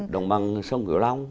đồng bằng sông kiều long